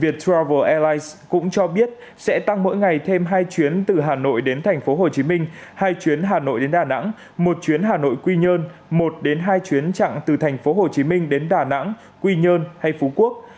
viettravel airlines cũng cho biết sẽ tăng mỗi ngày thêm hai chuyến từ hà nội đến tp hcm hai chuyến hà nội đến đà nẵng một chuyến hà nội quy nhơn một đến hai chuyến chặng từ tp hcm đến đà nẵng quy nhơn hay phú quốc